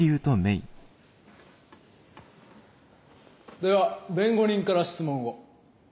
では弁護人から質問を。